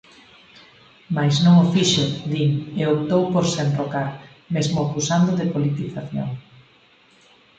Mais non o fixo, din, e optou por se enrocar, mesmo acusando de politización.